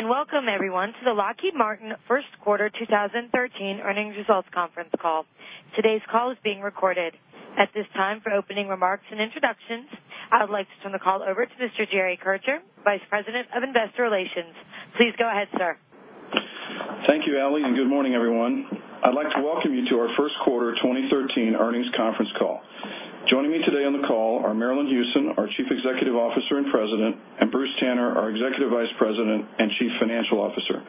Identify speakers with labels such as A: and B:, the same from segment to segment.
A: Good day, welcome, everyone, to the Lockheed Martin first quarter 2013 earnings results conference call. Today's call is being recorded. At this time, for opening remarks and introductions, I would like to turn the call over to Mr. Jerry Kircher, Vice President of Investor Relations. Please go ahead, sir.
B: Thank you, Allie, good morning, everyone. I'd like to welcome you to our first quarter 2013 earnings conference call. Joining me today on the call are Marillyn Hewson, our Chief Executive Officer and President, and Bruce Tanner, our Executive Vice President and Chief Financial Officer.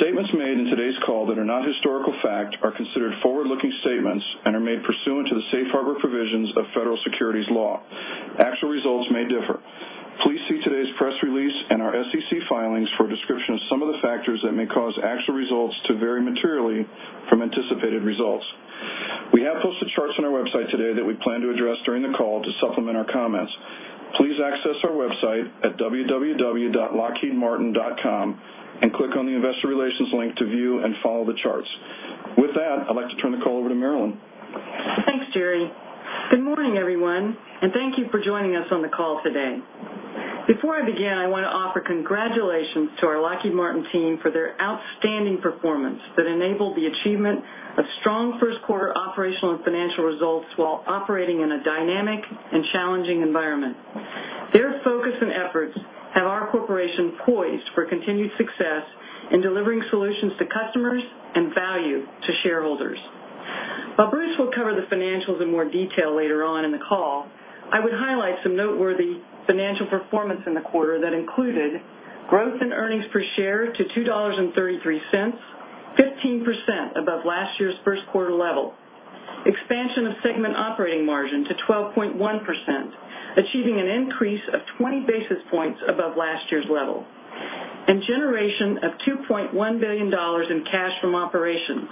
B: Statements made in today's call that are not historical fact are considered forward-looking statements and are made pursuant to the safe harbor provisions of federal securities law. Actual results may differ. Please see today's press release and our SEC filings for a description of some of the factors that may cause actual results to vary materially from anticipated results. We have posted charts on our website today that we plan to address during the call to supplement our comments. Please access our website at www.lockheedmartin.com click on the Investor Relations link to view and follow the charts. With that, I'd like to turn the call over to Marillyn.
C: Thanks, Jerry. Good morning, everyone, thank you for joining us on the call today. Before I begin, I want to offer congratulations to our Lockheed Martin team for their outstanding performance that enabled the achievement of strong first quarter operational and financial results while operating in a dynamic and challenging environment. Their focus and efforts have our corporation poised for continued success in delivering solutions to customers and value to shareholders. While Bruce will cover the financials in more detail later on in the call, I would highlight some noteworthy financial performance in the quarter that included growth in earnings per share to $2.33, 15% above last year's first-quarter level, expansion of segment operating margin to 12.1%, achieving an increase of 20 basis points above last year's level, generation of $2.1 billion in cash from operations.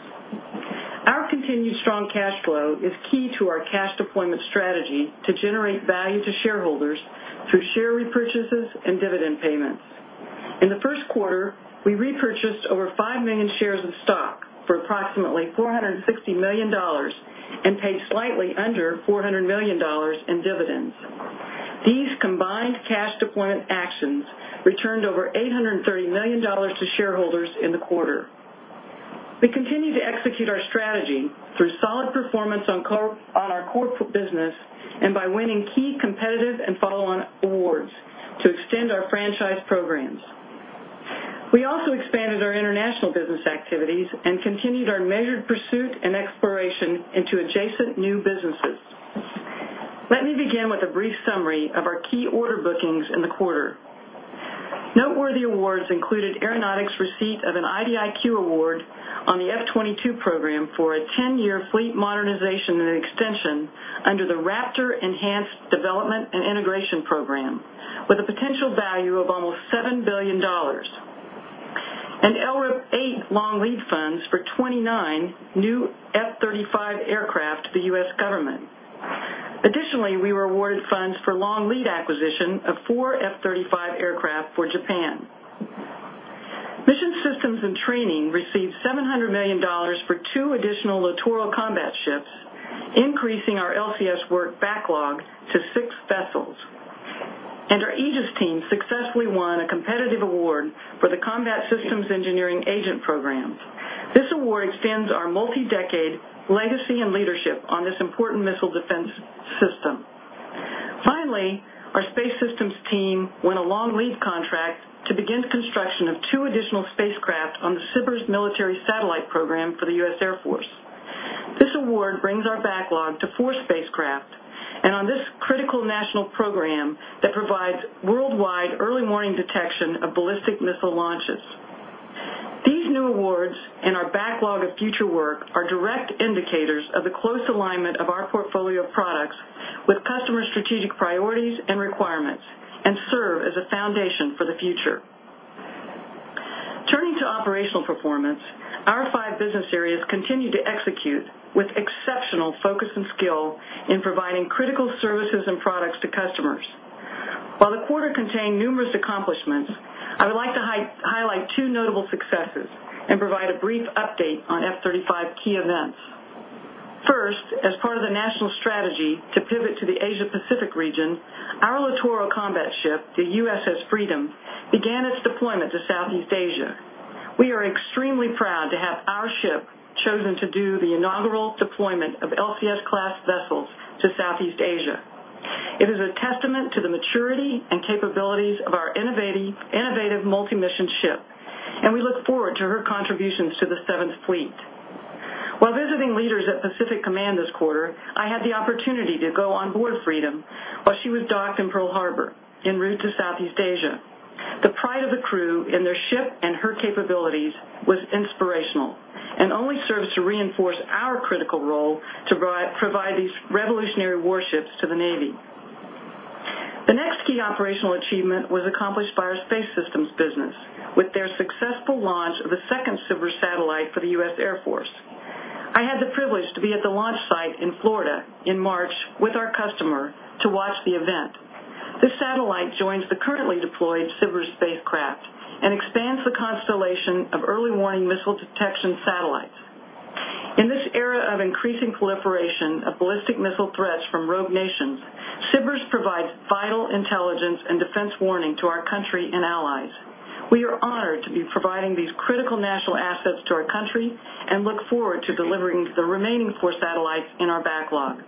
C: Our continued strong cash flow is key to our cash deployment strategy to generate value to shareholders through share repurchases and dividend payments. In the first quarter, we repurchased over 5 million shares of stock for approximately $460 million and paid slightly under $400 million in dividends. These combined cash deployment actions returned over $830 million to shareholders in the quarter. We continue to execute our strategy through solid performance on our core business and by winning key competitive and follow-on awards to extend our franchise programs. We also expanded our international business activities and continued our measured pursuit and exploration into adjacent new businesses. Let me begin with a brief summary of our key order bookings in the quarter. Noteworthy awards included Aeronautics' receipt of an IDIQ award on the F-22 program for a 10-year fleet modernization and extension under the Raptor Enhanced Development and Integration program, with a potential value of almost $7 billion. LRIP eight long lead funds for 29 new F-35 aircraft to the U.S. government. Additionally, we were awarded funds for long lead acquisition of four F-35 aircraft for Japan. Mission Systems and Training received $700 million for two additional Littoral Combat Ships, increasing our LCS work backlog to six vessels. Our Aegis team successfully won a competitive award for the Combat System Engineering Agent programs. This award extends our multi-decade legacy and leadership on this important missile defense system. Finally, our space systems team won a long lead contract to begin construction of two additional spacecraft on the SBIRS military satellite program for the U.S. Air Force. This award brings our backlog to four spacecraft, on this critical national program that provides worldwide early warning detection of ballistic missile launches. These new awards and our backlog of future work are direct indicators of the close alignment of our portfolio of products with customer strategic priorities and requirements and serve as a foundation for the future. Turning to operational performance, our five business areas continue to execute with exceptional focus and skill in providing critical services and products to customers. While the quarter contained numerous accomplishments, I would like to highlight two notable successes and provide a brief update on F-35 key events. First, as part of the national strategy to pivot to the Asia-Pacific region, our Littoral Combat Ship, the USS Freedom, began its deployment to Southeast Asia. We are extremely proud to have our ship chosen to do the inaugural deployment of LCS class vessels to Southeast Asia. It is a testament to the maturity and capabilities of our innovative multi-mission ship, and we look forward to her contributions to the Seventh Fleet. While visiting leaders at Pacific Command this quarter, I had the opportunity to go on board Freedom while she was docked in Pearl Harbor en route to Southeast Asia. The pride of the crew in their ship and her capabilities was inspirational and only serves to reinforce our critical role to provide these revolutionary warships to the Navy. The next key operational achievement was accomplished by our space systems business with their successful launch of the second SBIRS satellite for the U.S. Air Force. I had the privilege to be at the launch site in Florida in March with our customer to watch the event. This satellite joins the currently deployed SBIRS spacecraft and expands the constellation of early warning missile detection satellites. In this era of increasing proliferation of ballistic missile threats from rogue nations, SBIRS provides vital intelligence and defense warning to our country and allies. We are honored to be providing these critical national assets to our country and look forward to delivering the remaining four satellites in our backlog.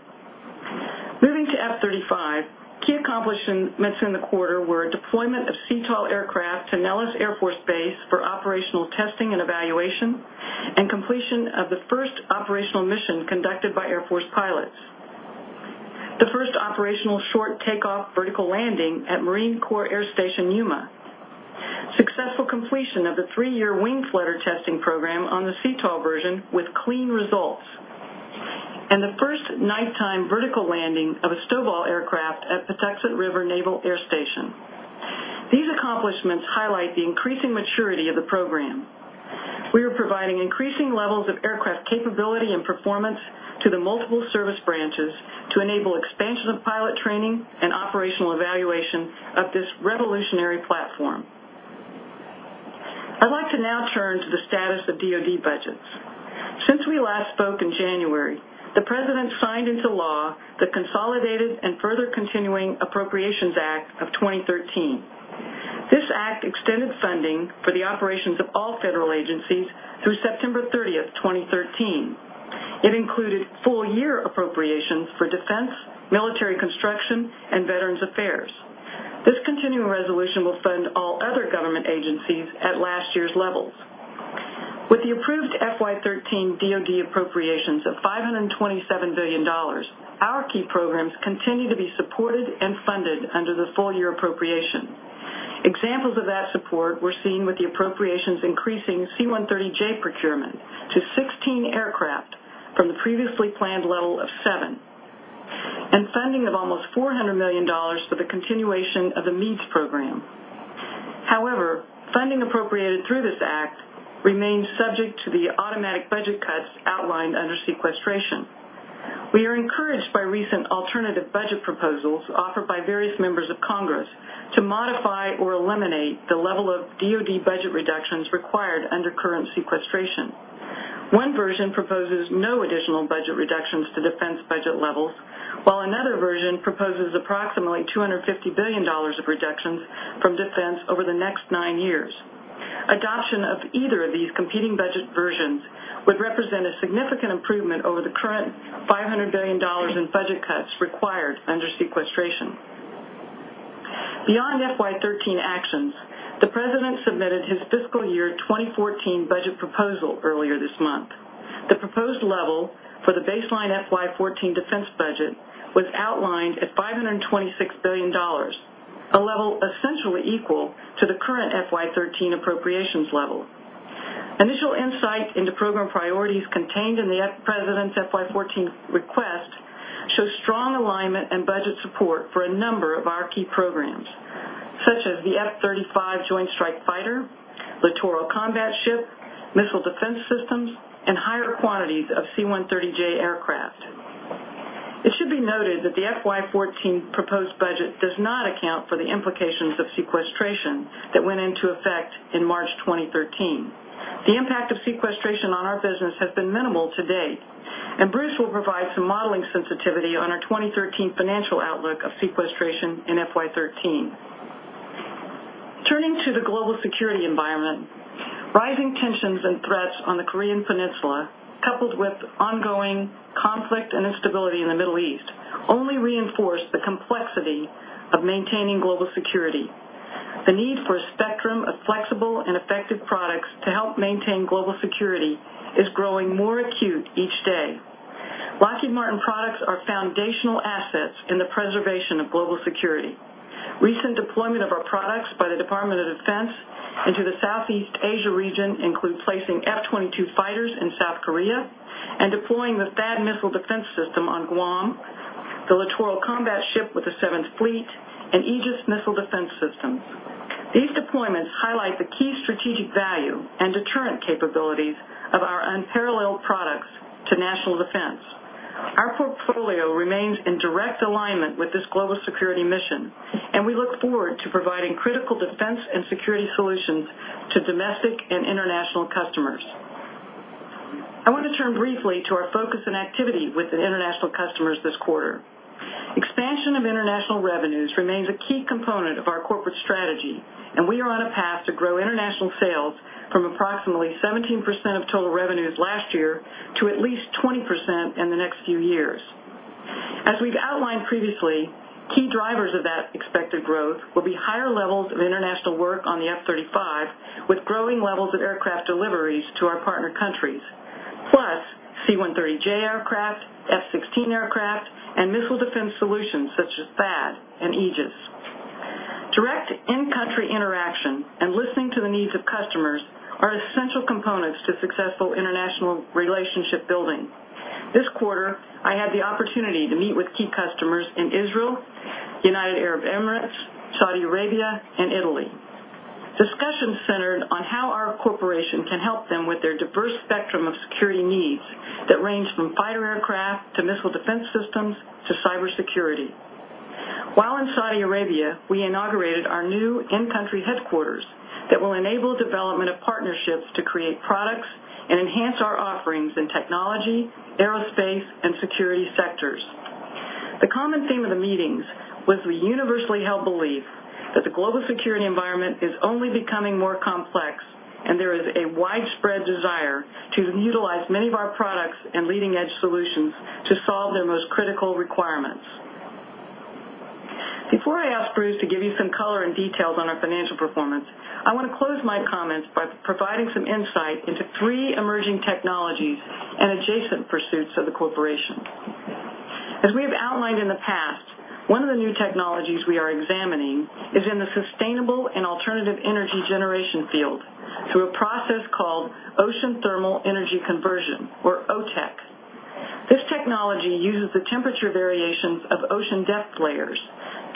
C: Moving to F-35, key accomplishments in the quarter were deployment of CTOL aircraft to Nellis Air Force Base for operational testing and evaluation and completion of the first operational mission conducted by Air Force pilots. The first operational short takeoff vertical landing at Marine Corps Air Station Yuma, successful completion of the three-year wing flutter testing program on the CTOL version with clean results, and the first nighttime vertical landing of a STOVL aircraft at Patuxent River Naval Air Station. These accomplishments highlight the increasing maturity of the program. We are providing increasing levels of aircraft capability and performance to the multiple service branches to enable expansion of pilot training and operational evaluation of this revolutionary platform. I'd like to now turn to the status of DoD budgets. Since we last spoke in January, the President signed into law the Consolidated and Further Continuing Appropriations Act of 2013. This act extended funding for the operations of all federal agencies through September 30th, 2013. It included full-year appropriations for defense, military construction, and veterans affairs. This continuing resolution will fund all other government agencies at last year's levels. With the approved FY 2013 DoD appropriations of $527 billion, our key programs continue to be supported and funded under the full-year appropriation. Examples of that support were seen with the appropriations increasing C-130J procurement to 16 aircraft from the previously planned level of 7, and funding of almost $400 million for the continuation of the MEADS program. However, funding appropriated through this act remains subject to the automatic budget cuts outlined under sequestration. We are encouraged by recent alternative budget proposals offered by various members of Congress to modify or eliminate the level of DoD budget reductions required under current sequestration. One version proposes no additional budget reductions to defense budget levels, while another version proposes approximately $250 billion of reductions from defense over the next nine years. Adoption of either of these competing budget versions would represent a significant improvement over the current $500 billion in budget cuts required under sequestration. Beyond FY 2013 actions, the President submitted his fiscal year 2014 budget proposal earlier this month. The proposed level for the baseline FY 2014 defense budget was outlined at $526 billion, a level essentially equal to the current FY 2013 appropriations level. Initial insight into program priorities contained in the President's FY 2014 request show strong alignment and budget support for a number of our key programs, such as the F-35 Joint Strike Fighter, Littoral Combat Ship, missile defense systems, and higher quantities of C-130J aircraft. It should be noted that the FY 2014 proposed budget does not account for the implications of sequestration that went into effect in March 2013. The impact of sequestration on our business has been minimal to date. Bruce will provide some modeling sensitivity on our 2013 financial outlook of sequestration in FY 2013. Turning to the global security environment, rising tensions and threats on the Korean Peninsula, coupled with ongoing conflict and instability in the Middle East, only reinforce the complexity of maintaining global security. The need for a spectrum of flexible and effective products to help maintain global security is growing more acute each day. Lockheed Martin products are foundational assets in the preservation of global security. Recent deployment of our products by the Department of Defense into the Southeast Asia region include placing F-22 fighters in South Korea and deploying the THAAD missile defense system on Guam, the littoral combat ship with the Seventh Fleet, and Aegis missile defense systems. These deployments highlight the key strategic value and deterrent capabilities of our unparalleled products to national defense. Our portfolio remains in direct alignment with this global security mission. We look forward to providing critical defense and security solutions to domestic and international customers. I want to turn briefly to our focus and activity with the international customers this quarter. Expansion of international revenues remains a key component of our corporate strategy. We are on a path to grow international sales from approximately 17% of total revenues last year to at least 20% in the next few years. As we've outlined previously, key drivers of that expected growth will be higher levels of international work on the F-35 with growing levels of aircraft deliveries to our partner countries. Plus, C-130J aircraft, F-16 aircraft, and missile defense solutions such as THAAD and Aegis. Direct in-country interaction and listening to the needs of customers are essential components to successful international relationship building. This quarter, I had the opportunity to meet with key customers in Israel, United Arab Emirates, Saudi Arabia, and Italy. Discussions centered on how our corporation can help them with their diverse spectrum of security needs that range from fighter aircraft to missile defense systems to cybersecurity. While in Saudi Arabia, we inaugurated our new in-country headquarters that will enable development of partnerships to create products and enhance our offerings in technology, aerospace, and security sectors. The common theme of the meetings was the universally held belief that the global security environment is only becoming more complex. There is a widespread desire to utilize many of our products and leading-edge solutions to solve their most critical requirements. Before I ask Bruce to give you some color and details on our financial performance, I want to close my comments by providing some insight into three emerging technologies and adjacent pursuits of the corporation. As we have outlined in the past, one of the new technologies we are examining is in the sustainable and alternative energy generation field through a process called Ocean Thermal Energy Conversion, or OTEC. This technology uses the temperature variations of ocean depth layers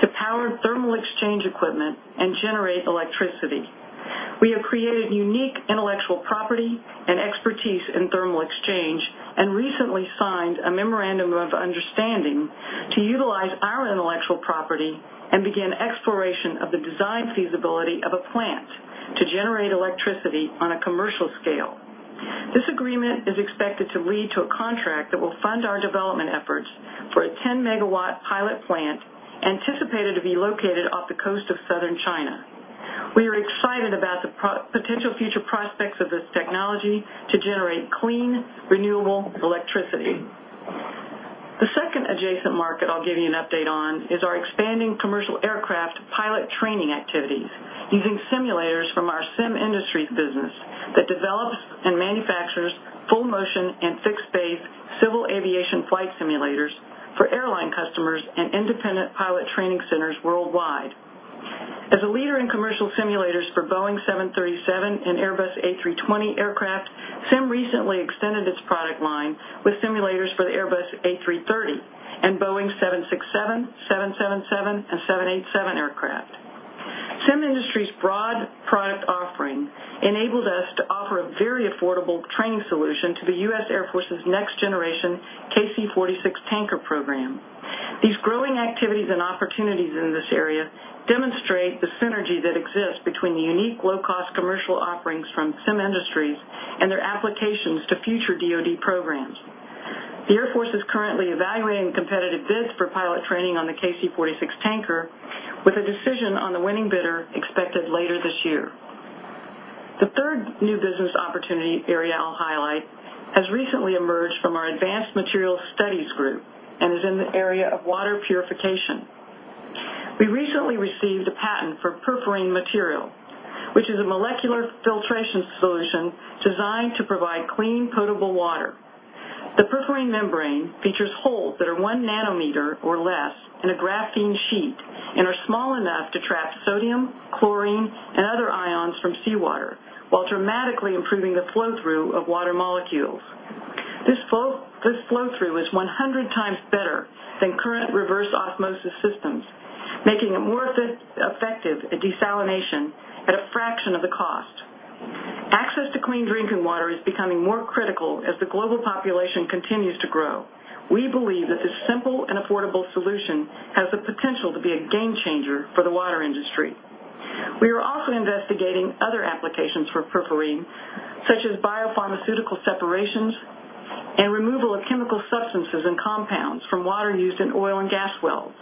C: to power thermal exchange equipment and generate electricity. We have created unique intellectual property and expertise in thermal exchange. Recently signed a memorandum of understanding to utilize our intellectual property and begin exploration of the design feasibility of a plant to generate electricity on a commercial scale. This agreement is expected to lead to a contract that will fund our development efforts for a 10-megawatt pilot plant anticipated to be located off the coast of southern China. We are excited about the potential future prospects of this technology to generate clean, renewable electricity. The second adjacent market I'll give you an update on is our expanding commercial aircraft pilot training activities using simulators from our Sim-Industries business that develops and manufactures full-motion and fixed-base civil aviation flight simulators for airline customers and independent pilot training centers worldwide. As a leader in commercial simulators for Boeing 737 and Airbus A320 aircraft, Sim recently extended its product line with simulators for the Airbus A330 and Boeing 767, 777, and 787 aircraft. Sim-Industries' broad product offering enables us to offer a very affordable training solution to the U.S. Air Force's next-generation KC-46 tanker program. These growing activities and opportunities in this area demonstrate the synergy that exists between the unique low-cost commercial offerings from Sim-Industries and their applications to future DoD programs. The Air Force is currently evaluating competitive bids for pilot training on the KC-46 tanker, with a decision on the winning bidder expected later this year. The third new business opportunity area I'll highlight has recently emerged from our advanced material studies group and is in the area of water purification. We recently received a patent for Perforene material, which is a molecular filtration solution designed to provide clean, potable water. The Perforene membrane features holes that are 1 nanometer or less in a graphene sheet and are small enough to trap sodium, chlorine, and other ions from seawater while dramatically improving the flow-through of water molecules. This flow-through is 100 times better than current reverse osmosis systems, making it more effective at desalination at a fraction of the cost. Access to clean drinking water is becoming more critical as the global population continues to grow. We believe that this simple and affordable solution has the potential to be a game changer for the water industry. We are also investigating other applications for Perforene, such as biopharmaceutical separations and removal of chemical substances and compounds from water used in oil and gas wells.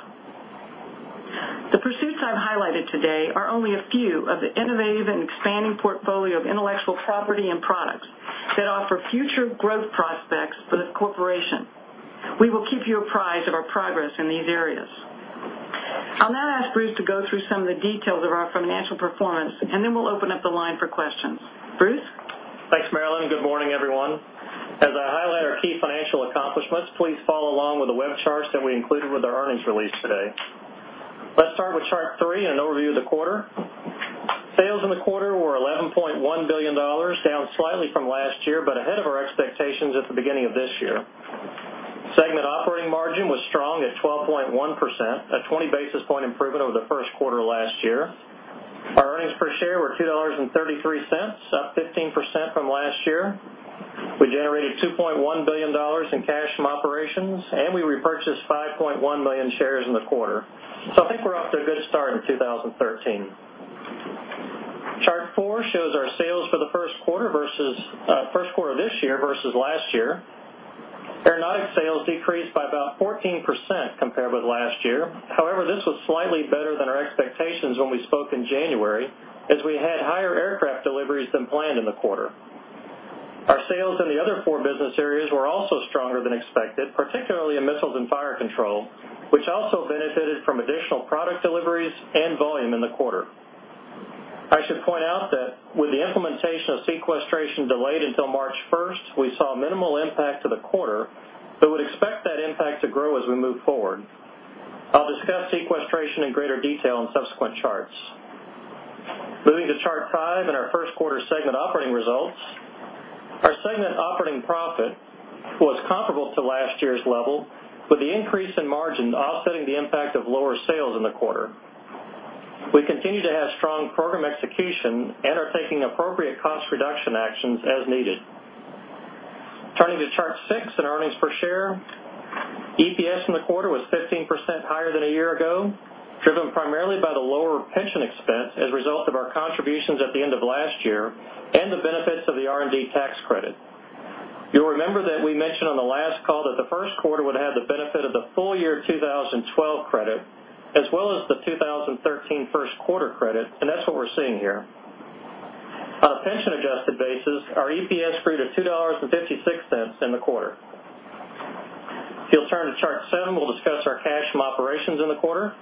C: The pursuits I've highlighted today are only a few of the innovative and expanding portfolio of intellectual property and products that offer future growth prospects for the corporation. We will keep you apprised of our progress in these areas. I'll now ask Bruce to go through some of the details of our financial performance, and then we'll open up the line for questions. Bruce?
D: Thanks, Marillyn. Good morning, everyone. As I highlight our key financial accomplishments, please follow along with the web charts that we included with our earnings release today. Let's start with Chart 3 and an overview of the quarter. Sales in the quarter were $11.1 billion, down slightly from last year, but ahead of our expectations at the beginning of this year. Segment operating margin was strong at 12.1%, a 20-basis point improvement over the first quarter last year. Our earnings per share were $2.33, up 15% from last year. We generated $2.1 billion in cash from operations, and we repurchased 5.1 million shares in the quarter. I think we're off to a good start in 2013. Chart 4 shows our sales for the first quarter this year versus last year. Aeronautics sales decreased by about 14% compared with last year. This was slightly better than our expectations when we spoke in January, as we had higher aircraft deliveries than planned in the quarter. Our sales in the other four business areas were also stronger than expected, particularly in Missiles and Fire Control, which also benefited from additional product deliveries and volume in the quarter. I should point out that with the implementation of sequestration delayed until March 1st, we saw minimal impact to the quarter but would expect that impact to grow as we move forward. I'll discuss sequestration in greater detail in subsequent charts. Moving to Chart 5 and our first quarter segment operating results. Our segment operating profit was comparable to last year's level, with the increase in margin offsetting the impact of lower sales in the quarter. We continue to have strong program execution and are taking appropriate cost reduction actions as needed. Turning to Chart 6 in earnings per share. EPS in the quarter was 15% higher than a year ago, driven primarily by the lower pension expense as a result of our contributions at the end of last year and the benefits of the R&D tax credit. You'll remember that we mentioned on the last call that the first quarter would have the benefit of the full year 2012 credit, as well as the 2013 first quarter credit, and that's what we're seeing here. On a pension-adjusted basis, our EPS grew to $2.56 in the quarter. If you'll turn to Chart 7, we'll discuss our cash from operations in the quarter.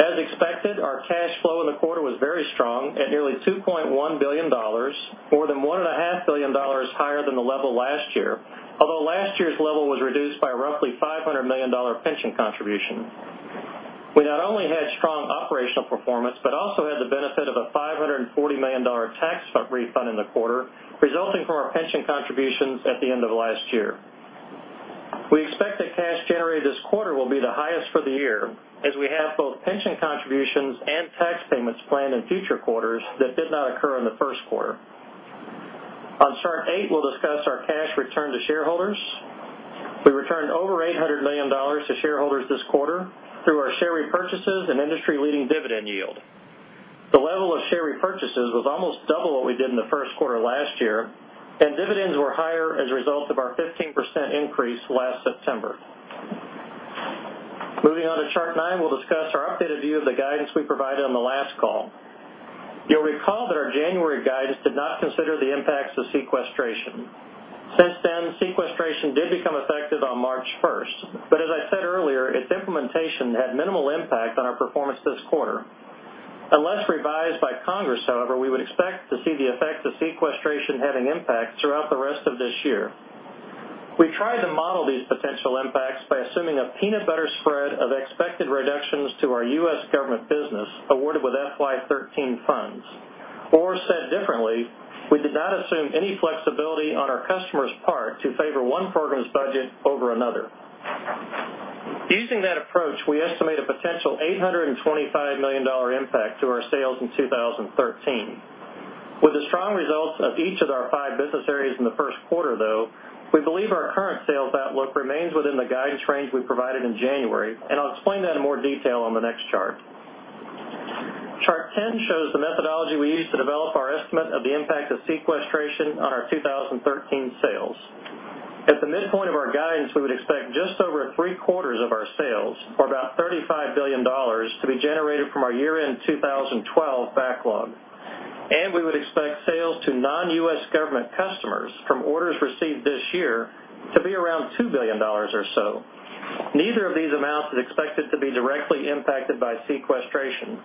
D: As expected, our cash flow in the quarter was very strong at nearly $2.1 billion, more than $1.5 billion higher than the level last year. Last year's level was reduced by roughly $500 million pension contribution. We not only had strong operational performance, but also had the benefit of a $540 million tax refund in the quarter, resulting from our pension contributions at the end of last year. We expect that cash generated this quarter will be the highest for the year, as we have both pension contributions and tax payments planned in future quarters that did not occur in the first quarter. On Chart 8, we'll discuss our cash return to shareholders. We returned over $800 million to shareholders this quarter through our share repurchases and industry-leading dividend yield. The level of share repurchases was almost double what we did in the first quarter last year, and dividends were higher as a result of our 15% increase last September. Moving on to Chart 9, we'll discuss our updated view of the guidance we provided on the last call. You'll recall that our January guidance did not consider the impacts of sequestration. Since then, sequestration did become effective on March 1st. As I said earlier, its implementation had minimal impact on our performance this quarter. Unless revised by Congress, however, we would expect to see the effects of sequestration having impact throughout the rest of this year. We tried to model these potential impacts by assuming a peanut butter spread of expected reductions to our U.S. government business awarded with FY 2013 funds. Said differently, we did not assume any flexibility on our customers' part to favor one program's budget over another. Using that approach, we estimate a potential $825 million impact to our sales in 2013. With the strong results of each of our 5 business areas in the first quarter, though, we believe our current sales outlook remains within the guidance range we provided in January, I'll explain that in more detail on the next chart. Chart 10 shows the methodology we used to develop our estimate of the impact of sequestration on our 2013 sales. At the midpoint of our guidance, we would expect just over three-quarters of our sales, or about $35 billion, to be generated from our year-end 2012 backlog. We would expect sales to non-U.S. government customers from orders received this year to be around $2 billion or so. Neither of these amounts is expected to be directly impacted by sequestration.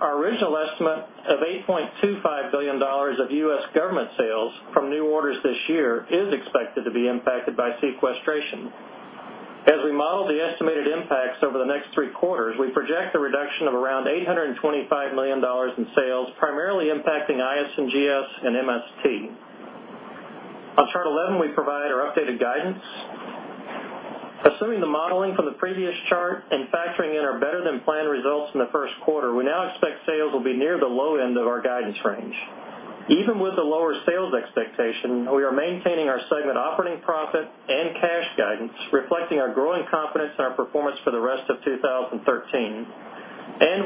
D: Our original estimate of $8.25 billion of U.S. government sales from new orders this year is expected to be impacted by sequestration. As we model the estimated impacts over the next 3 quarters, we project a reduction of around $825 million in sales, primarily impacting IS&GS and MST. On Chart 11, we provide our updated guidance. Assuming the modeling from the previous chart and factoring in our better-than-planned results in the first quarter, we now expect sales will be near the low end of our guidance range. Even with the lower sales expectation, we are maintaining our segment operating profit and cash guidance, reflecting our growing confidence in our performance for the rest of 2013.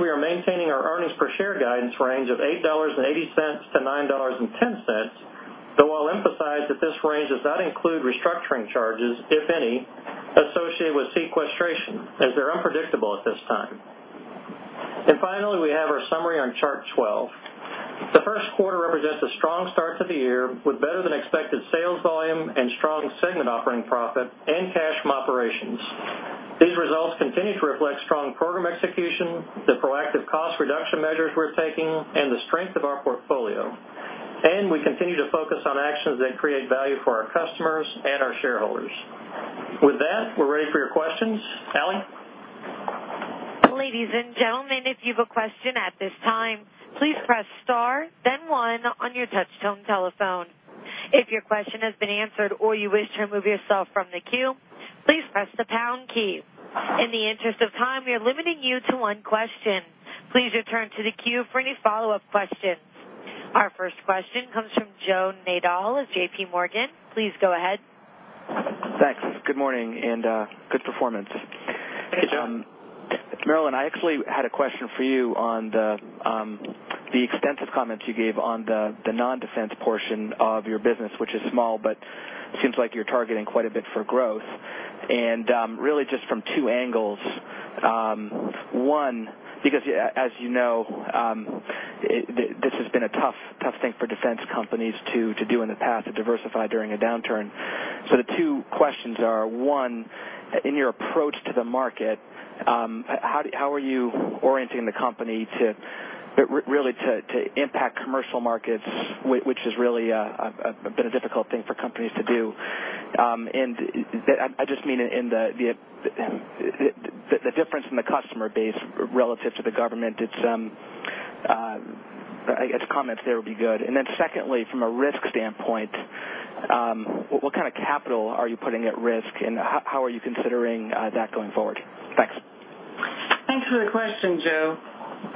D: We are maintaining our earnings per share guidance range of $8.80-$9.10. Though I'll emphasize that this range does not include restructuring charges, if any, associated with sequestration, as they're unpredictable at this time. Finally, we have our summary on Chart 12. The first quarter represents a strong start to the year with better-than-expected sales volume and strong segment operating profit and cash from operations. These results continue to reflect strong program execution, the proactive cost reduction measures we're taking, and the strength of our portfolio. We continue to focus on actions that create value for our customers and our shareholders. With that, we're ready for your questions. Ally?
A: Ladies and gentlemen, if you have a question at this time, please press star then one on your touch tone telephone. If your question has been answered or you wish to remove yourself from the queue, please press the pound key. In the interest of time, we are limiting you to 1 question. Please return to the queue for any follow-up questions. Our first question comes from Joe Nadol of JPMorgan. Please go ahead.
E: Thanks. Good morning and good performance.
D: Hey, Joe.
E: Marillyn, I actually had a question for you on the extensive comments you gave on the non-defense portion of your business, which is small, but it seems like you're targeting quite a bit for growth. Really just from two angles. One, because as you know, this has been a tough thing for defense companies to do in the past, to diversify during a downturn. The two questions are, one, in your approach to the market, how are you orienting the company to really impact commercial markets, which has really been a difficult thing for companies to do? I just mean in the difference in the customer base relative to the government. I guess comments there would be good. Secondly, from a risk standpoint, what kind of capital are you putting at risk, and how are you considering that going forward? Thanks.
C: Thanks for the question, Joe.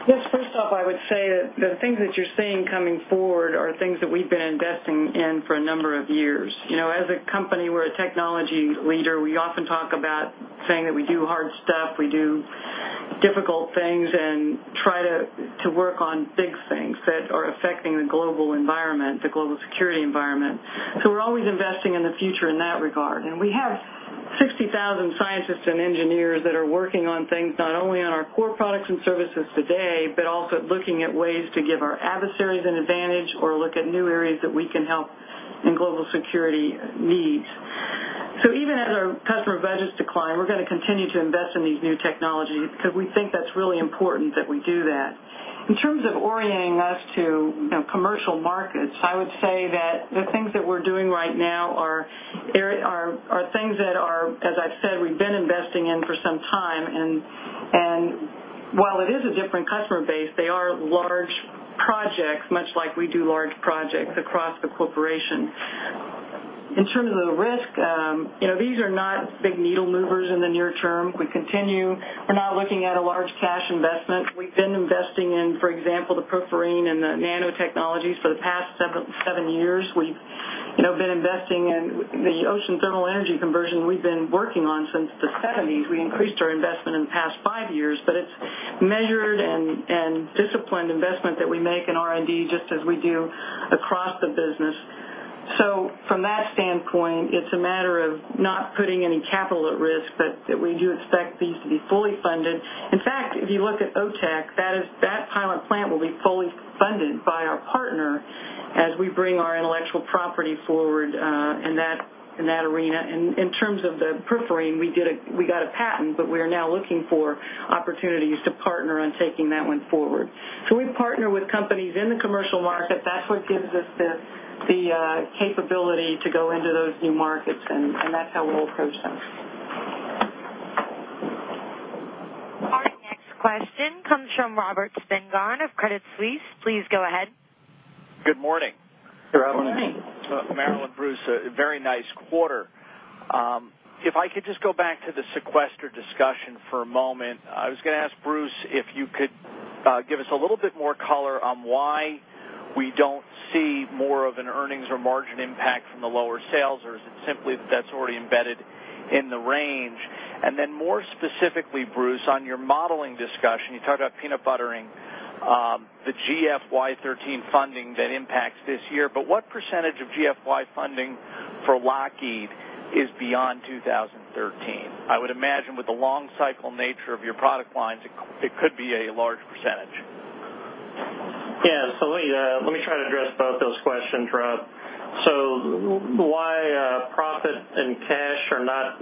C: Yes, first off, I would say that the things that you're seeing coming forward are things that we've been investing in for a number of years. As a company, we're a technology leader. We often talk about saying that we do hard stuff, we do difficult things, and try to work on big things that are affecting the global environment, the global security environment. We're always investing in the future in that regard. We have 60,000 scientists and engineers that are working on things, not only on our core products and services today, but also looking at ways to give our adversaries an advantage or look at new areas that we can help in global security needs. Even as our customer budgets decline, we're going to continue to invest in these new technologies because we think that's really important that we do that. In terms of orienting us to commercial markets, I would say that the things that we're doing right now are things that are, as I've said, we've been investing in for some time, and while it is a different customer base, they are large projects, much like we do large projects across the corporation. In terms of the risk, these are not big needle movers in the near term. We're not looking at a large cash investment. We've been investing in, for example, the Perforene and the nanotechnologies for the past seven years. We've been investing in the Ocean Thermal Energy Conversion we've been working on since the 1970s. We increased our investment in the past five years, but it's measured and disciplined investment that we make in R&D just as we do across the business. From that standpoint, it's a matter of not putting any capital at risk, but that we do expect these to be fully funded. In fact, if you look at OTEC, that pilot plant will be fully funded by our partner as we bring our intellectual property forward, in that arena. In terms of the Perforene, we got a patent, but we are now looking for opportunities to partner on taking that one forward. We partner with companies in the commercial market. That's what gives us the capability to go into those new markets, and that's how we'll approach them.
A: Our next question comes from Robert Spingarn of Credit Suisse. Please go ahead.
F: Good morning.
C: Good morning.
F: Marillyn, Bruce, a very nice quarter. If I could just go back to the sequester discussion for a moment, I was going to ask Bruce if you could give us a little bit more color on why we don't see more of an earnings or margin impact from the lower sales, or is it simply that that's already embedded in the range? More specifically, Bruce, on your modeling discussion, you talked about peanut buttering, the GFY 2013 funding that impacts this year. What percentage of GFY funding for Lockheed is beyond 2013? I would imagine with the long cycle nature of your product lines, it could be a large percentage.
D: Let me try to address both those questions, Rob. Why, profit and cash are not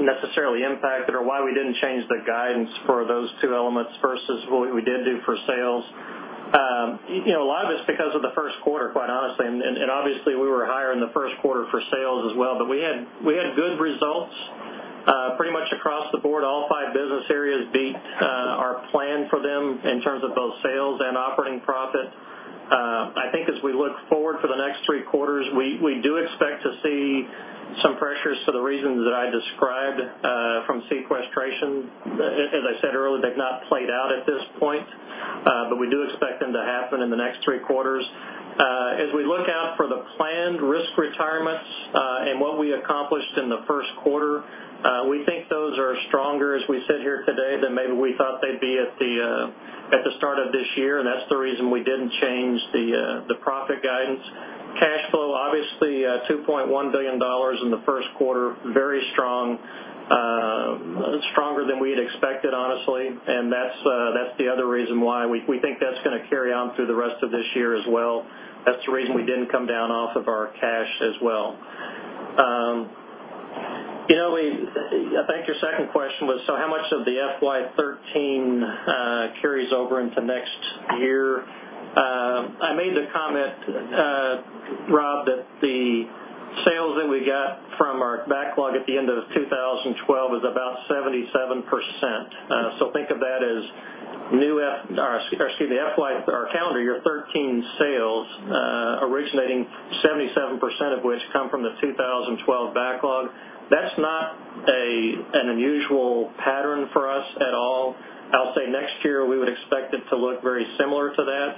D: necessarily impacted or why we didn't change the guidance for those two elements versus what we did do for sales. A lot of it's because of the first quarter, quite honestly, and obviously, we were higher in the first quarter for sales as well. We had good results, pretty much across the board. All five business areas beat our plan for them in terms of both sales and operating profit. I think as we look forward for the next three quarters, we do expect to see some pressures for the reasons that I described, from sequestration. As I said earlier, they've not played out at this point. We do expect them to happen in the next three quarters. As we look out for the planned risk retirements, and what we accomplished in the first quarter, we think those are stronger as we sit here today than maybe we thought they'd be at the start of this year, and that's the reason we didn't change the profit guidance. Cash flow, obviously, $2.1 billion in the first quarter, very strong, stronger than we had expected, honestly, and that's the other reason why we think that's going to carry on through the rest of this year as well. That's the reason we didn't come down off of our cash as well. I think your second question was, how much of the FY 2013 carries over into next year? I made the comment, Rob, that the sales that we got from our backlog at the end of 2012 is about 77%. Think of that as our calendar year 2013 sales, originating 77% of which come from the 2012 backlog. That's not an unusual pattern for us at all. I'll say next year, we would expect it to look very similar to that.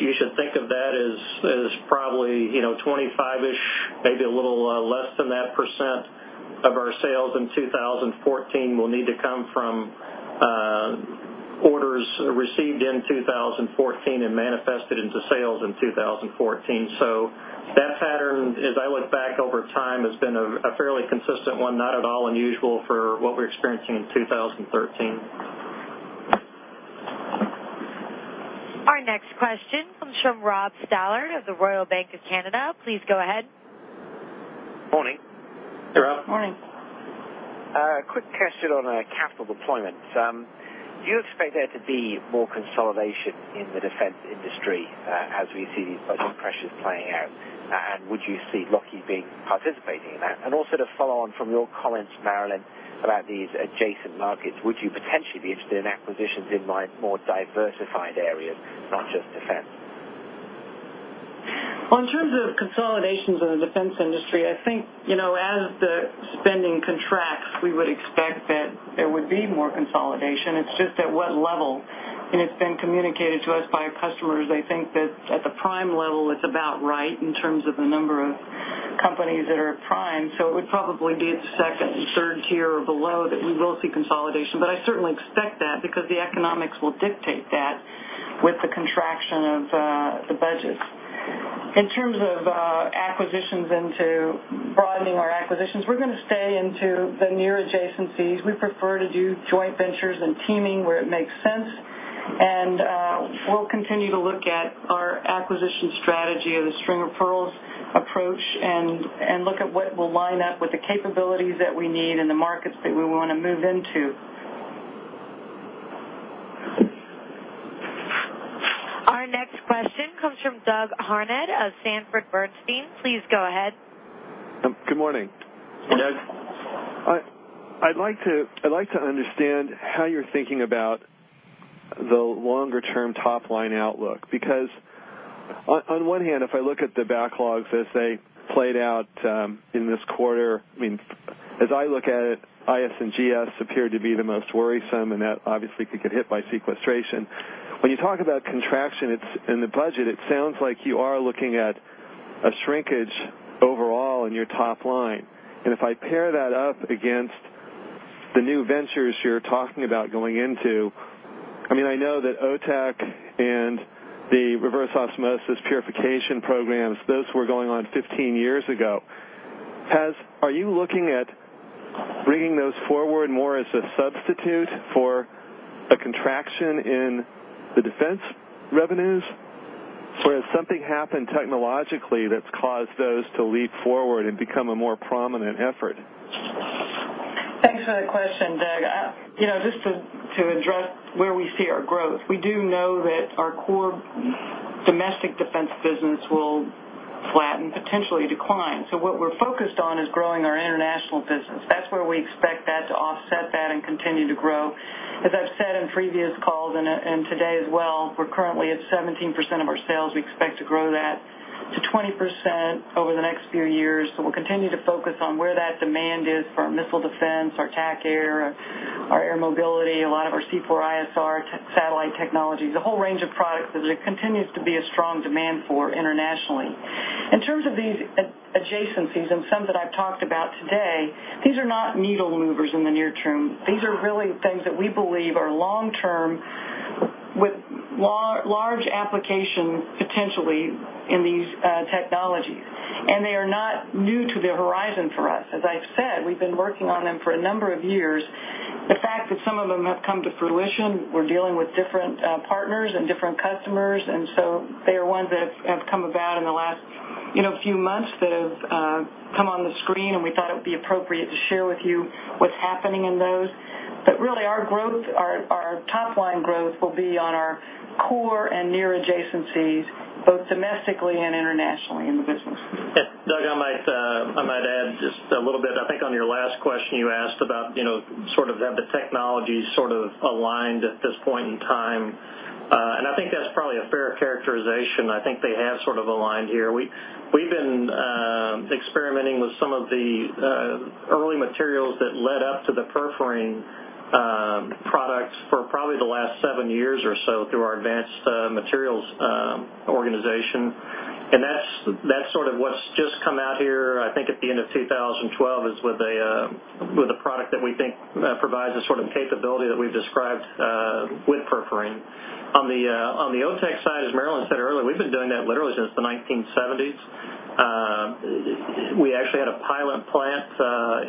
D: You should think of that as probably 25-ish, maybe a little less than that % of our sales in 2014 will need to come from orders received in 2014 and manifested into sales in 2014. That pattern, as I look back over time, has been a fairly consistent one, not at all unusual for what we're experiencing in 2013.
A: Our next question comes from Rob Stallard of the Royal Bank of Canada. Please go ahead.
G: Morning.
C: Good morning.
D: Morning.
G: Quick question on capital deployment. Do you expect there to be more consolidation in the defense industry as we see these budget pressures playing out, and would you see Lockheed participating in that? Also to follow on from your comments, Marillyn, about these adjacent markets, would you potentially be interested in acquisitions in more diversified areas, not just defense?
C: Well, in terms of consolidations in the defense industry, I think, as the spending contracts, we would expect that there would be more consolidation. It's just at what level. It's been communicated to us by our customers, they think that at the prime level, it's about right in terms of the number of companies that are at prime. It would probably be at the second and third tier or below that we will see consolidation. I certainly expect that because the economics will dictate that with the contraction of the budget. In terms of acquisitions into broadening our acquisitions, we're going to stay into the near adjacencies. We prefer to do joint ventures and teaming where it makes sense, we'll continue to look at our acquisition strategy of the string of pearls approach and look at what will line up with the capabilities that we need and the markets that we want to move into.
A: Our next question comes from Doug Harned of Sanford Bernstein. Please go ahead.
H: Good morning.
D: Good morning.
H: I'd like to understand how you're thinking about the longer term top line outlook. On one hand, if I look at the backlogs as they played out in this quarter, as I look at it, IS and GS appear to be the most worrisome, and that obviously could get hit by sequestration. When you talk about contraction in the budget, it sounds like you are looking at a shrinkage overall in your top line. If I pair that up against the new ventures you're talking about going into, I know that OTEC and the reverse osmosis purification programs, those were going on 15 years ago. Are you looking at bringing those forward more as a substitute for a contraction in the defense revenues? Has something happened technologically that's caused those to leap forward and become a more prominent effort?
C: Thanks for that question, Doug. Just to address where we see our growth, we do know that our core domestic defense business will flatten, potentially decline. What we're focused on is growing our international business. That's where we expect that to offset that and continue to grow. As I've said in previous calls and today as well, we're currently at 17% of our sales. We expect to grow that to 20% over the next few years. We'll continue to focus on where that demand is for our missile defense, our TACAIR, our air mobility, a lot of our C4ISR, satellite technologies, a whole range of products that it continues to be a strong demand for internationally. In terms of these adjacencies and some that I've talked about today, these are not needle movers in the near term. These are really things that we believe are long term with large applications, potentially, in these technologies. They are not new to the horizon for us. As I've said, we've been working on them for a number of years. The fact that some of them have come to fruition, we're dealing with different partners and different customers, they are ones that have come about in the last few months that have come on the screen, we thought it would be appropriate to share with you what's happening in those. Really, our top line growth will be on our core and near adjacencies, both domestically and internationally in the business.
D: Doug, I might add just a little bit. I think on your last question, you asked about sort of have the technologies sort of aligned at this point in time. I think that's probably a fair characterization. I think they have sort of aligned here. We've been experimenting with some of the early materials that led up to the Perforene products for probably the last seven years or so through our advanced materials organization. That's sort of what's just come out here, I think at the end of 2012, is with a product that we think provides a sort of capability that we've described with Perforene. On the OTEC side, as Marillyn said earlier, we've been doing that literally since the 1970s. We actually had a pilot plant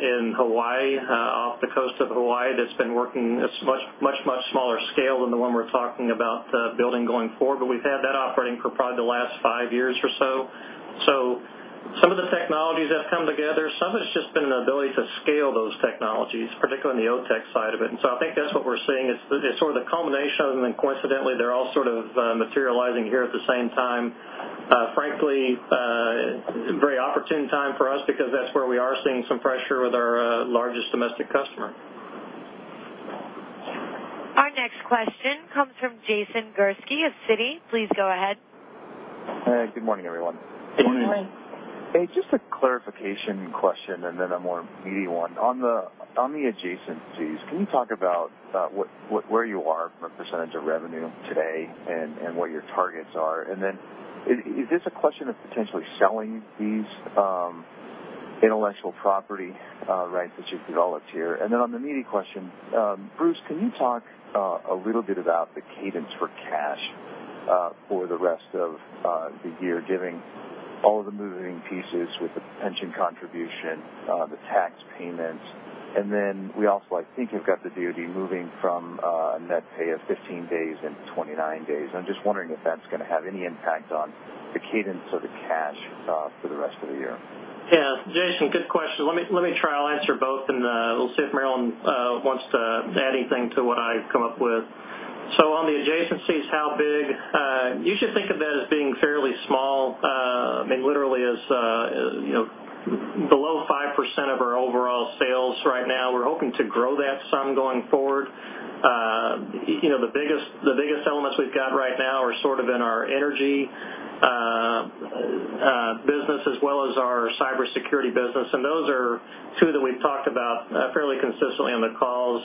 D: in Hawaii, off the coast of Hawaii, that's been working much smaller scale than the one we're talking about building going forward. We've had that operating for probably the last five years or so. Some of the technologies have come together. Some it's just been an ability to scale those technologies, particularly on the OTEC side of it. I think that's what we're seeing is sort of the culmination of them, and coincidentally, they're all sort of materializing here at the same time. Frankly, very opportune time for us because that's where we are seeing some pressure with our largest domestic customer.
A: Our next question comes from Jason Gursky of Citi. Please go ahead.
I: Hey, good morning, everyone.
D: Good morning.
C: Good morning.
I: Hey, just a clarification question and then a more meaty one. On the adjacencies, can you talk about where you are from a percentage of revenue today and what your targets are? Is this a question of potentially selling these intellectual property rights that you've developed here? On the meaty question, Bruce, can you talk a little bit about the cadence for cash for the rest of the year, giving all of the moving pieces with the pension contribution, the tax payments, and then we also, I think you've got the DoD moving from a net pay of 15 days into 29 days. I'm just wondering if that's going to have any impact on the cadence of the cash for the rest of the year.
D: Yeah. Jason, good question. Let me try. I'll answer both, and we'll see if Marillyn wants to add anything to what I come up with. On the adjacencies, how big, you should think of that as being fairly small, literally as below 5% of our overall sales right now. We're hoping to grow that. The biggest elements we've got right now are sort of in our energy business as well as our cybersecurity business, and those are two that we've talked about fairly consistently on the calls.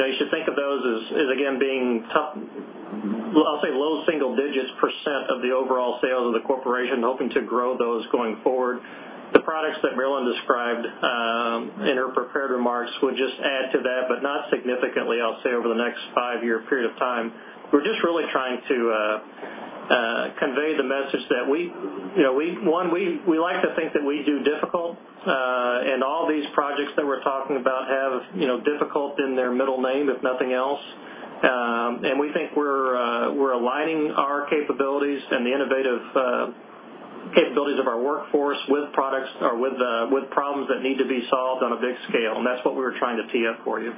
D: You should think of those as, again, being tough. I'll say low single digits % of the overall sales of the corporation, hoping to grow those going forward. The products that Marillyn described in her prepared remarks would just add to that, but not significantly, I'll say, over the next five-year period of time. We're just really trying to convey the message that we like to think that we do difficult, all these projects that we're talking about have difficult in their middle name, if nothing else. We think we're aligning our capabilities and the innovative capabilities of our workforce with problems that need to be solved on a big scale. That's what we were trying to tee up for you.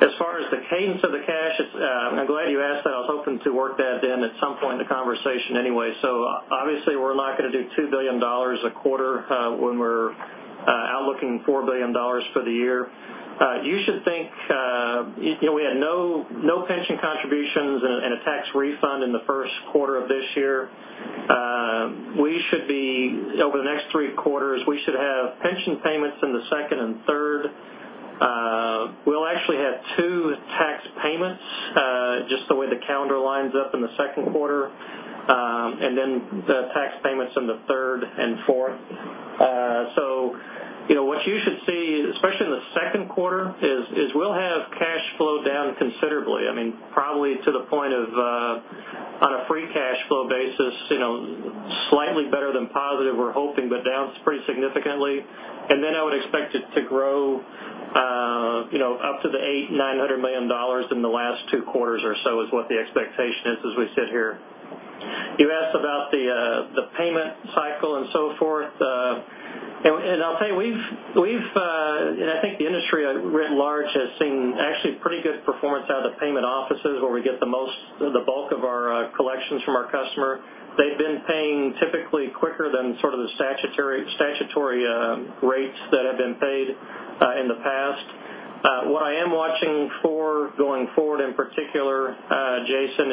D: As far as the cadence of the cash, I'm glad you asked that. I was hoping to work that in at some point in the conversation anyway. Obviously, we're not going to do $2 billion a quarter when we're out looking $4 billion for the year. You should think we had no pension contributions and a tax refund in the first quarter of this year. Over the next three quarters, we should have pension payments in the second and third. We'll actually have two tax payments, just the way the calendar lines up in the second quarter, the tax payments in the third and fourth. What you should see, especially in the second quarter, is we'll have cash flow down considerably, probably to the point of, on a free cash flow basis, slightly better than positive, we're hoping, but down pretty significantly. Then I would expect it to grow up to the $800 million, $900 million in the last two quarters or so, is what the expectation is as we sit here. You asked about the payment cycle and so forth. I'll say, I think the industry writ large has seen actually pretty good performance out of the payment offices where we get the bulk of our collections from our customer. They've been paying typically quicker than sort of the statutory rates that have been paid in the past. What I am watching for going forward, in particular, Jason,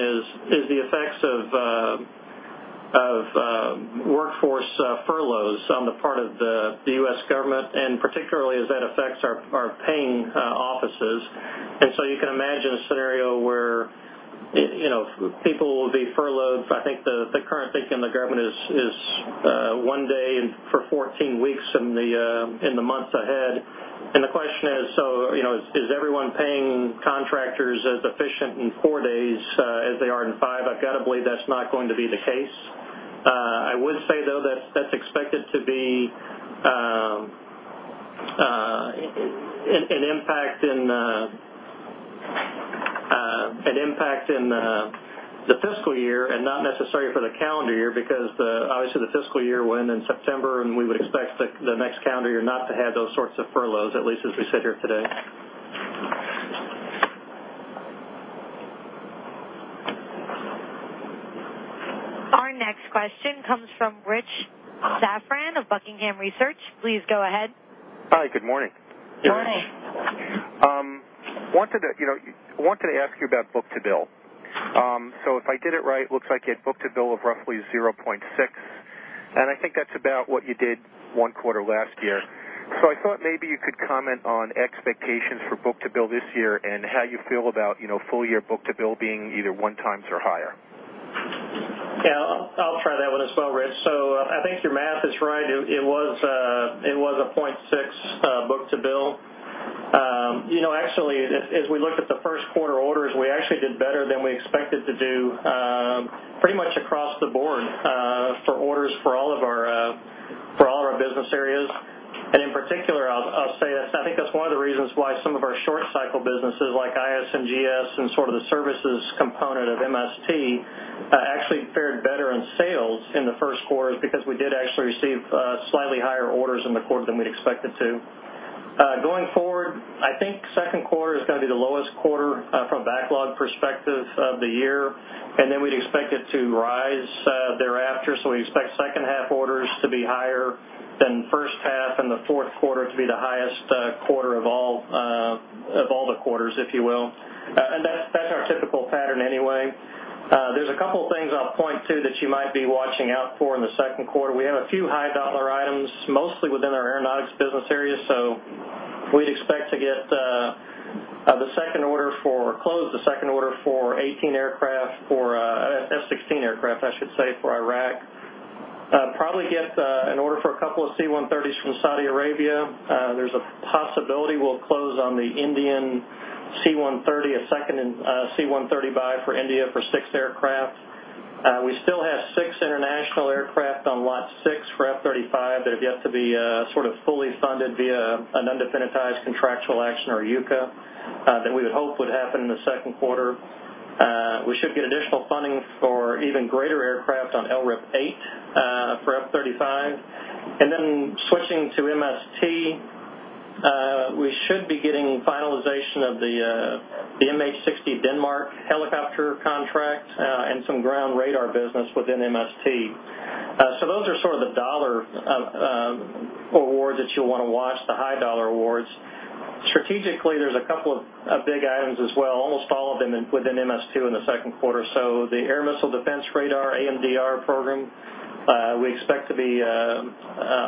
D: is the effects of workforce furloughs on the part of the U.S. government, particularly as that affects our paying offices. You can imagine a scenario where people will be furloughed. I think the current thinking in the government is one day and for 14 weeks in the months ahead. The question is everyone paying contractors as efficient in four days as they are in five? I've got to believe that's not going to be the case. I would say, though, that's expected to be an impact in the fiscal year and not necessarily for the calendar year, because obviously the fiscal year will end in September, and we would expect the next calendar year not to have those sorts of furloughs, at least as we sit here today.
A: Our next question comes from Rich Safran of Buckingham Research. Please go ahead.
J: Hi, good morning.
D: Good morning.
J: If I did it right, looks like you had book-to-bill of roughly 0.6, and I think that's about what you did one quarter last year. I thought maybe you could comment on expectations for book-to-bill this year and how you feel about full-year book-to-bill being either one times or higher.
D: I'll try that one as well, Rich. I think your math is right. It was a 0.6 book-to-bill. Actually, as we looked at the first quarter orders, we actually did better than we expected to do pretty much across the board for orders for all of our business areas. In particular, I'll say I think that's one of the reasons why some of our short cycle businesses like IS&GS and sort of the services component of MST actually fared better in sales in the first quarter is because we did actually receive slightly higher orders in the quarter than we'd expected to. Going forward, I think second quarter is going to be the lowest quarter from a backlog perspective of the year, we'd expect it to rise thereafter. We expect second half orders to be higher than first half and the fourth quarter to be the highest quarter of all the quarters, if you will. That's our typical pattern anyway. There's a couple of things I'll point to that you might be watching out for in the second quarter. We have a few high-dollar items, mostly within our aeronautics business area. We'd expect to close the second order for 18 aircraft, F-16 aircraft, I should say, for Iraq. Probably get an order for a couple of C-130s from Saudi Arabia. There's a possibility we'll close on the Indian C-130, a second C-130 buy for India for six aircraft. We still have six international aircraft on lot six for F-35 that have yet to be sort of fully funded via an undefinitized contractual action, or UCA, that we would hope would happen in the second quarter. We should get additional funding for even greater aircraft on LRIP 8 for F-35. Switching to MST, we should be getting finalization of the MH-60 Denmark helicopter contract and some ground radar business within MST. Those are sort of the dollar awards that you'll want to watch, the high-dollar awards. Strategically, there's a couple of big items as well, almost all of them within MST in the second quarter. The Air and Missile Defense Radar, AMDR program, we expect to be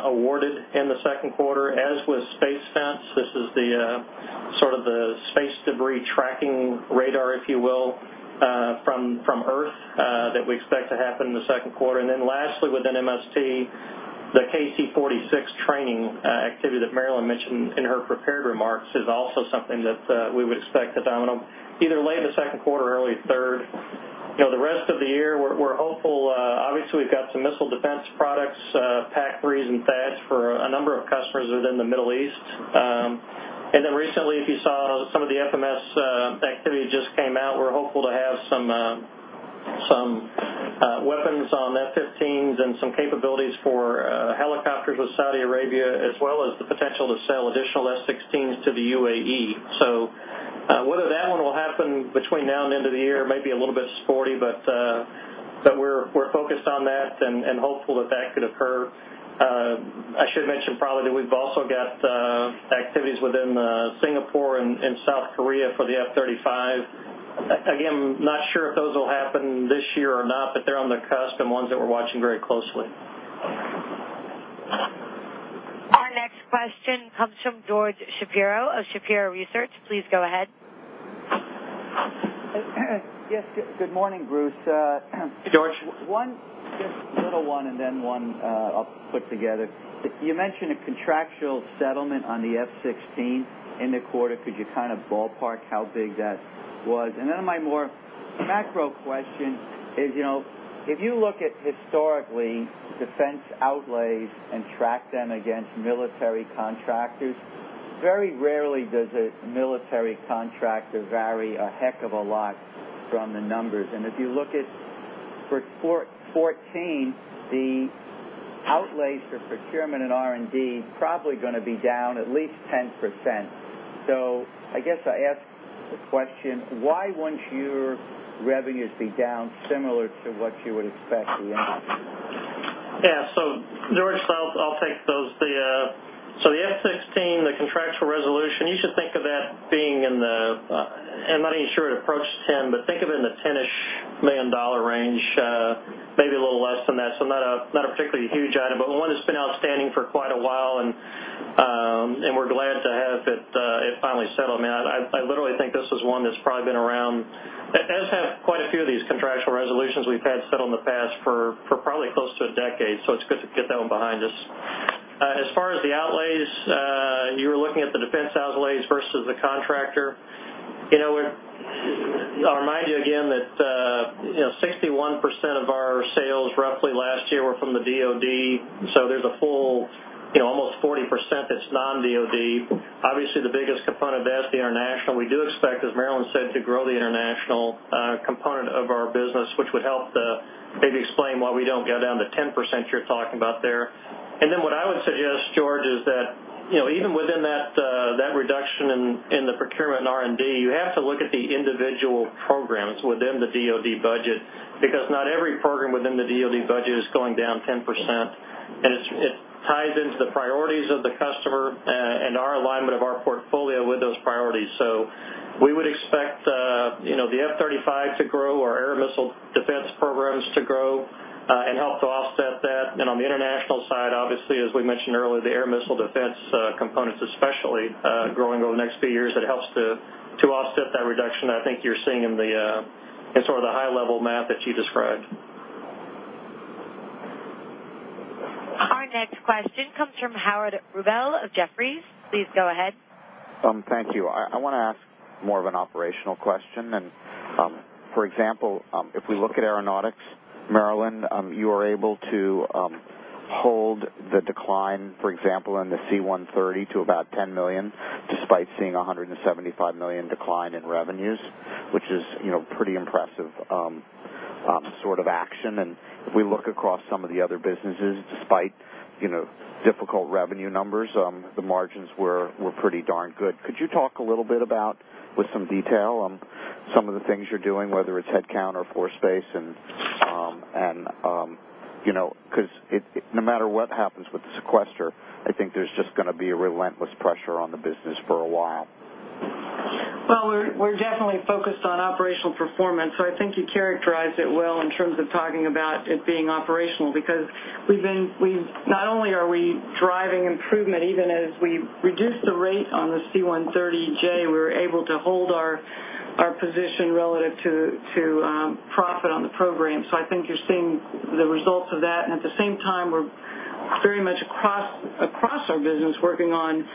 D: awarded in the second quarter, as with Space Fence. This is the space debris tracking radar, if you will, from Earth, that we expect to happen in the second quarter. Lastly, within MST, the KC-46 training activity that Marillyn mentioned in her prepared remarks is also something that we would expect to domino either late in the second quarter or early third. The rest of the year, we're hopeful. Obviously, we've got some missile defense products, PAC-3s and THAADs for a number of customers within the Middle East. Recently, if you saw some of the FMS activity just came out, we're hopeful to have some weapons on F-15s and some capabilities for helicopters with Saudi Arabia, as well as the potential to sell additional F-16s to the UAE. Whether that one will happen between now and the end of the year may be a little bit sporty, but we're focused on that and hopeful that that could occur. I should mention probably that we've also got activities within Singapore and South Korea for the F-35. Not sure if those will happen this year or not, but they're on the cusp and ones that we're watching very closely.
A: Our next question comes from George Shapiro of Shapiro Research. Please go ahead.
K: Yes. Good morning, Bruce.
D: George.
K: One just little one and then one I'll put together. You mentioned a contractual settlement on the F-16 in the quarter. Could you kind of ballpark how big that was? Then my more macro question is, if you look at historically defense outlays and track them against military contractors, very rarely does a military contractor vary a heck of a lot from the numbers. If you look at for 2014, the outlays for procurement and R&D probably going to be down at least 10%. I guess I ask the question, why wouldn't your revenues be down similar to what you would expect the industry?
D: Yeah. George, so I'll take those. The F-16, the contractual resolution, you should think of that being in the, I'm not even sure it approached 10, but think of it in the $10 million range, maybe a little less than that. Not a particularly huge item, but one that's been outstanding for quite a while, and we're glad to have it finally settled. I literally think this is one that's probably been around, as have quite a few of these contractual resolutions we've had settled in the past, for probably close to a decade, so it's good to get that one behind us. As far as the outlays, you were looking at the defense outlays versus the contractor. I'll remind you again that 61% of our sales roughly last year were from the DoD, so there's a full almost 40% that's non-DoD. Obviously, the biggest component of that is the international. We do expect, as Marillyn said, to grow the international component of our business, which would help to maybe explain why we don't go down to 10% you're talking about there. What I would suggest, George, is that even within that reduction in the procurement and R&D, you have to look at the individual programs within the DoD budget because not every program within the DoD budget is going down 10%. It ties into the priorities of the customer and our alignment of our portfolio with those priorities. We would expect the F-35 to grow, our Air missile defense programs to grow, and help to offset that. On the international side, obviously, as we mentioned earlier, the Air missile defense components especially, growing over the next few years, it helps to offset that reduction I think you're seeing in sort of the high level math that you described.
A: Our next question comes from Howard Rubel of Jefferies. Please go ahead.
L: Thank you. I want to ask more of an operational question. For example, if we look at aeronautics, Marillyn, you are able to hold the decline, for example, in the C-130 to about $10 million, despite seeing a $175 million decline in revenues, which is pretty impressive sort of action. If we look across some of the other businesses, despite difficult revenue numbers, the margins were pretty darn good. Could you talk a little bit about, with some detail, some of the things you're doing, whether it's headcount or floor space? Because no matter what happens with the sequester, I think there's just going to be a relentless pressure on the business for a while.
C: We're definitely focused on operational performance, I think you characterized it well in terms of talking about it being operational, because not only are we driving improvement, even as we reduce the rate on the C-130J, we're able to hold our position relative to profit on the program. I think you're seeing the results of that, at the same time, we're very much across our business, working on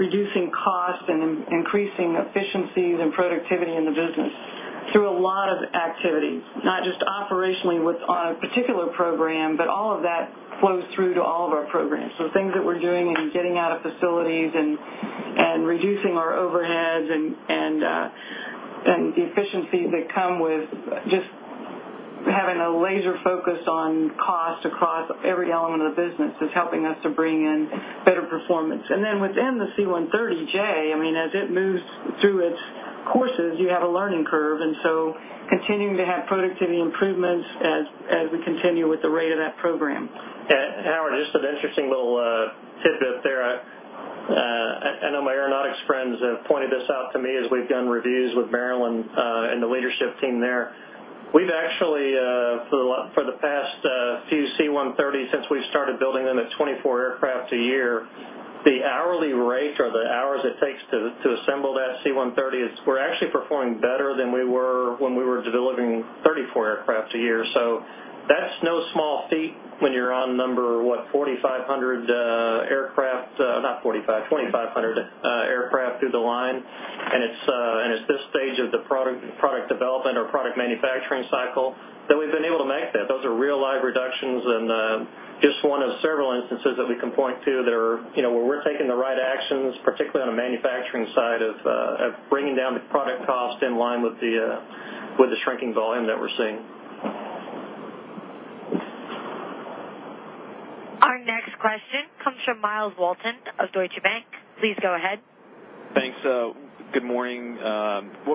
C: reducing costs and increasing efficiencies and productivity in the business through a lot of activities, not just operationally with a particular program, but all of that flows through to all of our programs. Things that we're doing in getting out of facilities and reducing our overheads and the efficiencies that come with just having a laser focus on cost across every element of the business is helping us to bring in better performance. Within the C-130J, as it moves through its courses, you have a learning curve, continuing to have productivity improvements as we continue with the rate of that program.
D: Howard, just an interesting little tidbit there. I know my aeronautics friends have pointed this out to me as we've done reviews with Marillyn and the leadership team there. We've actually, for the past few C-130s, since we've started building them at 24 aircraft a year, the hourly rate or the hours it takes to assemble that C-130 is we're actually performing better than we were when we were delivering 34 aircraft a year. That's no small feat when you're on number, what, 4,500 aircraft, not 45, 2,500 aircraft through the line. It's this stage of the product development or product manufacturing cycle that we've been able to make that. Those are real live reductions just one of several instances that we can point to that are where we're taking the right actions, particularly on a manufacturing side of bringing down the product cost in line with the shrinking volume that we're seeing.
A: Our next question comes from Myles Walton of Deutsche Bank. Please go ahead.
M: Thanks. Good morning.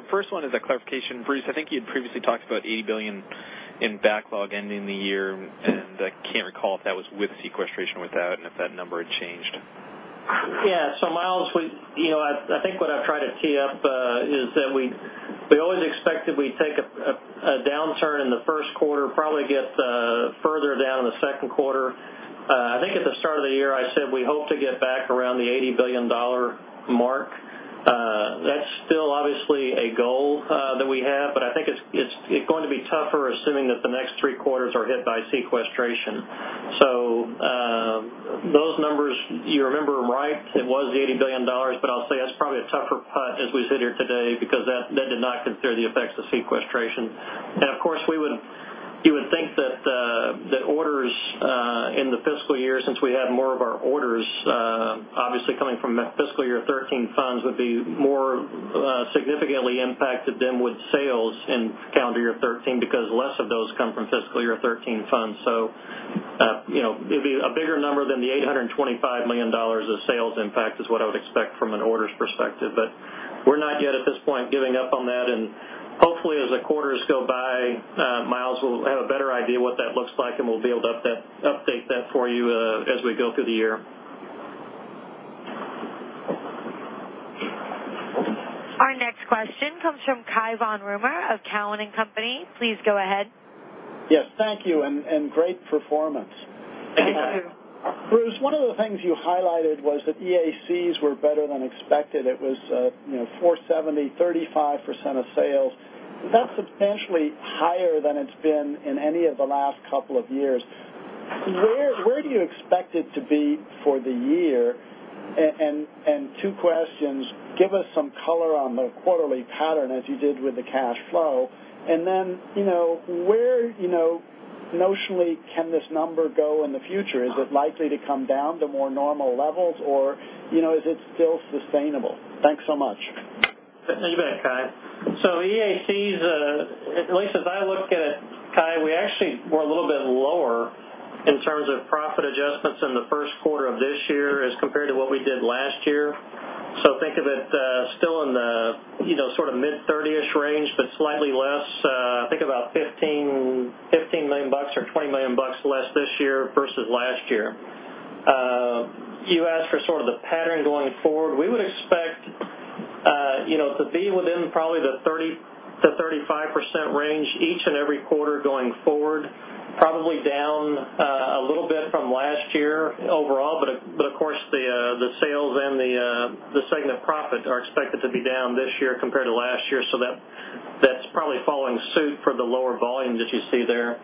M: First one is a clarification. Bruce, I think you had previously talked about $80 billion in backlog ending the year. I can't recall if that was with sequestration or without, and if that number had changed.
D: Myles, I think what I've tried to tee up is that we always expected we'd take a downturn in the first quarter, probably get further down in the second quarter. I think at the start of the year, I said we hope to get back around the $80 billion mark. That's still obviously a goal that we have, but I think it's going to be tougher assuming that the next three quarters are hit by sequestration. Those numbers, you remember them right, it was $80 billion, but I'll say that's probably a tougher putt as we sit here today because that did not consider the effects of sequestration. Of course, you would think that the orders in the fiscal year, since we had more of our orders obviously coming from fiscal year 2013 funds, would be more significantly impacted than with sales in calendar year 2013, because less of those come from fiscal year 2013 funds. It'd be a bigger number than the $825 million of sales impact is what I would expect from an orders perspective. We're not yet at this point giving up on that, hopefully as the quarters go by, Myles, we'll have a better idea what that looks like, and we'll be able to update that for you, as we go through the year.
A: Our next question comes from Cai von Rumohr of Cowen and Company. Please go ahead.
N: Yes, thank you, and great performance.
D: Thank you.
N: Bruce, one of the things you highlighted was that EACs were better than expected. It was $470, 35% of sales. That's substantially higher than it's been in any of the last couple of years. Where do you expect it to be for the year? Two questions, give us some color on the quarterly pattern as you did with the cash flow. Where notionally can this number go in the future? Is it likely to come down to more normal levels or is it still sustainable? Thanks so much.
D: You bet, Cai. EACs, at least as I look at it, Cai, we actually were a little bit lower in terms of profit adjustments in the first quarter of this year as compared to what we did last year. Think of it still in the mid 30-ish range, but slightly less, I think about $15 million or $20 million less this year versus last year. You asked for sort of the pattern going forward. We would expect to be within probably the 30%-35% range each and every quarter going forward, probably down a little bit from last year overall, but of course, the sales and the segment profit are expected to be down this year compared to last year, That's probably following suit for the lower volume that you see there.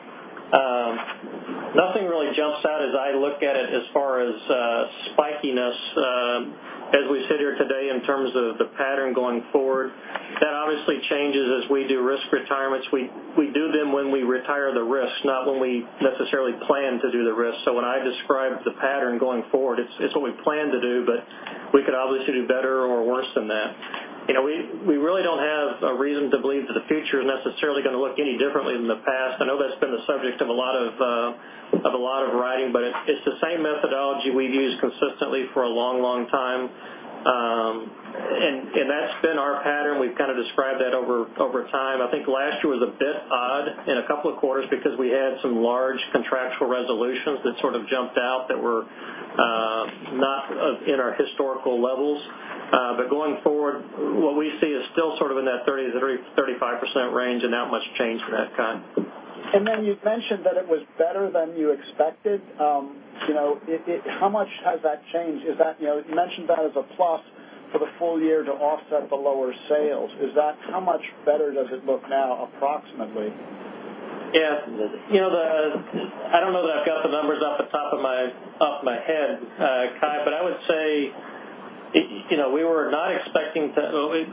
D: Nothing really jumps out as I look at it as far as spikiness, as we sit here today in terms of the pattern going forward. That obviously changes as we do risk retirements. We do them when we retire the risk, not when we necessarily plan to do the risk. When I describe the pattern going forward, it's what we plan to do, We could obviously do better or worse than that. We really don't have a reason to believe that the future is necessarily going to look any differently than the past. I know that's been the subject of a lot of writing, It's the same methodology we've used consistently for a long time. That's been our pattern. We've kind of described that over time. I think last year was a bit odd in a couple of quarters because we had some large contractual resolutions that sort of jumped out that were not in our historical levels. Going forward, what we see is still sort of in that 30%-35% range and not much change to that, Cai.
N: You'd mentioned that it was better than you expected. How much has that changed? You mentioned that as a plus for the full year to offset the lower sales. How much better does it look now, approximately?
D: Yeah. I don't know that I've got the numbers off the top of my head, Cai, I would say we were not expecting to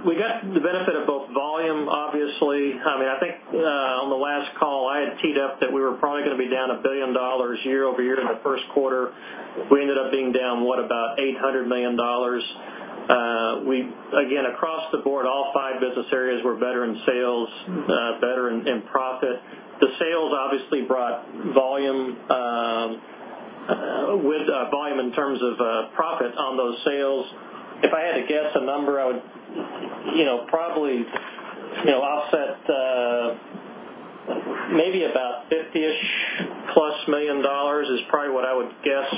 D: We got the benefit of both volume, obviously. I think, on the last call, I had teed up that we were probably going to be down $1 billion year-over-year in the first quarter. We ended up being down, what, about $800 million. Again, across the board, all 5 business areas were better in sales, better in profit on those sales. If I had to guess a number, I would probably offset maybe about $50-ish plus million is probably what I would guess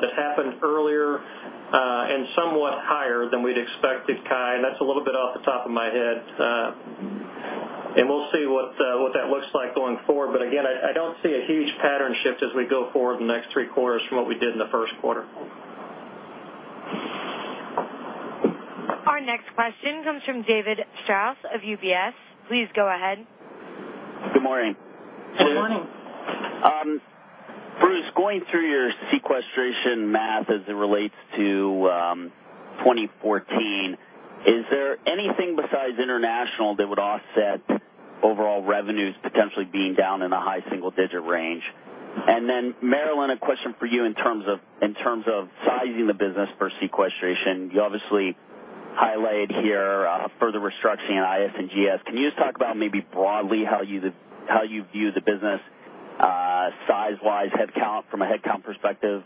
D: that happened earlier, and somewhat higher than we'd expected, Cai. That's a little bit off the top of my head. We'll see what that looks like going forward. Again, I don't see a huge pattern shift as we go forward the next 3 quarters from what we did in the first quarter.
A: Our next question comes from David Strauss of UBS. Please go ahead.
O: Good morning.
D: Good morning.
O: Bruce, going through your sequestration math as it relates to 2014, is there anything besides international that would offset overall revenues potentially being down in the high single-digit range? Marillyn, a question for you in terms of sizing the business for sequestration. You obviously highlighted here further restructuring in IS and GS. Can you just talk about maybe broadly how you view the business, size-wise, from a headcount perspective,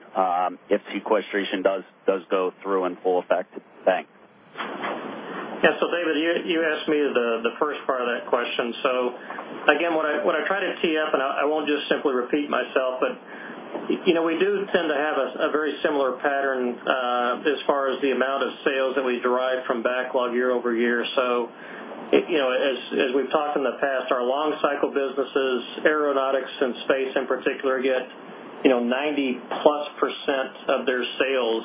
O: if sequestration does go through in full effect? Thanks.
D: Yeah. David, you asked me the first part of that question. Again, what I try to tee up, and I won't just simply repeat myself, but we do tend to have a very similar pattern as far as the amount of sales that we derive from backlog year-over-year. As we've talked in the past, our long cycle businesses, aeronautics and space in particular, get 90-plus% of their sales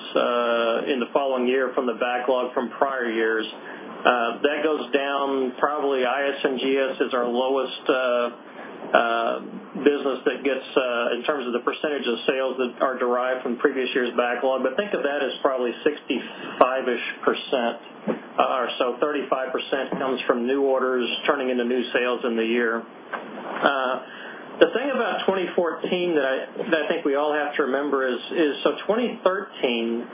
D: in the following year from the backlog from prior years. That goes down probably IS and GS is our lowest business that gets, in terms of the percentage of sales that are derived from previous years' backlog. Think of that as probably 65-ish% or so, 35% comes from new orders turning into new sales in the year. The thing about 2014 that I think we all have to remember is, 2013